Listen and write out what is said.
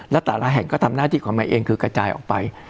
และแต่ละแห่งก็ทำหน้าที่ของมันเองคือกระจายออกไป